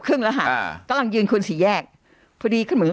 ครึ่งราห่าอ้ากำลังยืนควรศรีแยกพอดีก็เหมือน